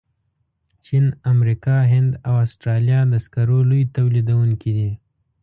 چین، امریکا، هند او استرالیا د سکرو لوی تولیدونکي دي.